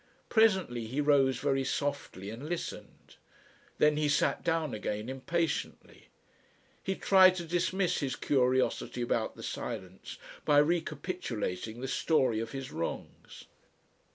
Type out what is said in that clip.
Presently he rose very softly and listened. Then he sat down again impatiently. He tried to dismiss his curiosity about the silence by recapitulating the story of his wrongs.